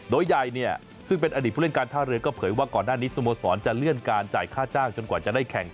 โดยใหญ่เนี่ยซึ่งเป็นอดีตผู้เล่นการท่าเรือก็เผยว่าก่อนหน้านี้สโมสรจะเลื่อนการจ่ายค่าจ้างจนกว่าจะได้แข่ง